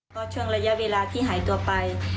ก็ช่วงระยะเวลาที่หายตัวไป